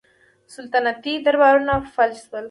سلطنتي دربارونه فلج شول.